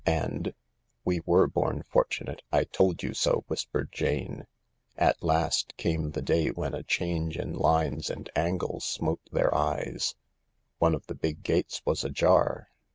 And {" We were born fortunate, I told you so I " whispered Jane) at last came the day when a change in lines and angles smote their eyes. One of the big gates was ajar.